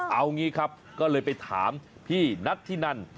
เอางี้ครับก็เลยไปถามพี่นัทธินัน